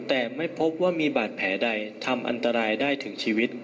แต่ไม่พบว่ามีบาดแผลใดทำอันตรายได้ถึงชีวิต